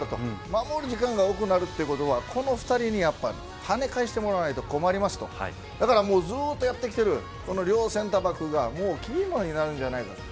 守る時間が多くなるということはこの２人に跳ね返してもらわないと困りますとずっとやってきているこの両センターバックがキーマンになるんじゃないかと。